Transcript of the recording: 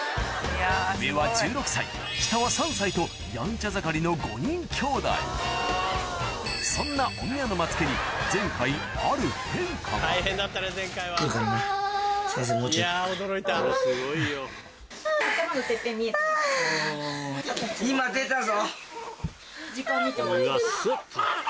上は１６歳下は３歳とやんちゃ盛りの５人きょうだいそんなお宮の松家に前回ある変化が今出たぞ。